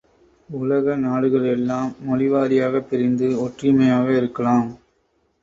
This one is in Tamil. உலக நாடுகள் எல்லாம் மொழிவாரியாகப் பிரிந்து ஒற்றுமையாக இருக்கலாம்.